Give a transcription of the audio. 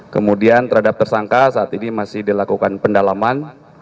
kemudian terhadap tersangka saat ini masih dilakukan pendalaman